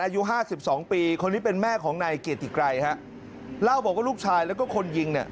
อายุ๕๒ปีคนนี้เป็นแม่ของนายเกียรติไกรเล่าบอกว่าลูกชายแล้วก็คนยิง